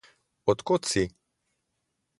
Od kod si?